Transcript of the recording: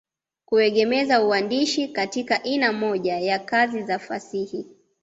Kuegemeza uandishi katika ina moja ya kazi za fasihi